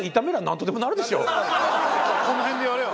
この辺でやれば。